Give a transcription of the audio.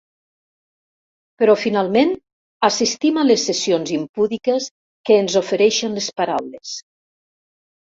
Però finalment, assistim a les sessions impúdiques que ens ofereixen les paraules.